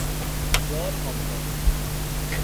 Draw সম্ভব।